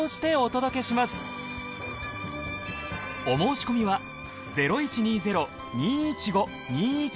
お申し込みは。